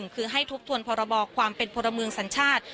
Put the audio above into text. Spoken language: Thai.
คือให้ทบทวนพรบความเป็นพลเมืองสัญชาติ